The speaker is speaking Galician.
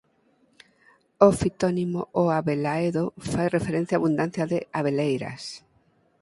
O fitónimo O Abelaedo fai referencia á abundancia de abeleiras.